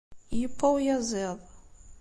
Yewwa uyaziḍ.